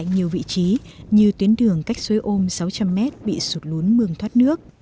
nhiều vị trí như tuyến đường cách suối ôm sáu trăm linh m bị sụt lún mương thoát nước